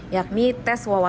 yakni tes wawasan